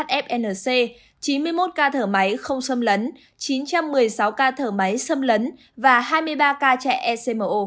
một fnc chín mươi một ca thở máy không xâm lấn chín trăm một mươi sáu ca thở máy xâm lấn và hai mươi ba ca chạy ecmo